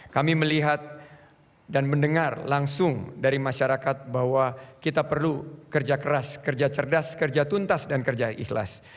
kami melihat dan mendengar langsung dari masyarakat bahwa kita perlu kerja keras kerja cerdas kerja tuntas dan kerja ikhlas